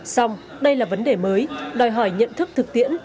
xong đây là vấn đề mới đòi hỏi nhận thức thực tiễn